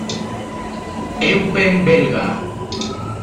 Eupen Belga.